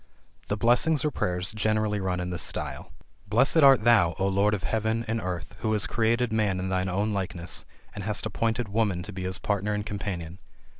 The blessings or prayers generally run in this style: "Blessed art thou, O Lord of heaven, and earth, who has created man in thine own likeness, and hast appointed woman to be his partner and companion!